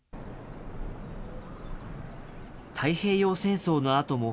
太平洋戦争のあとも、